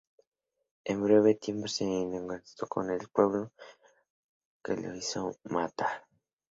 En breve tiempo se enemistó con el pueblo que lo hizo matar.